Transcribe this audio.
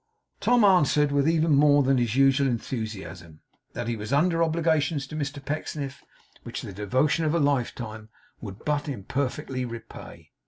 Tom answered, with even more than his usual enthusiasm, that he was under obligations to Mr Pecksniff which the devotion of a lifetime would but imperfectly repay.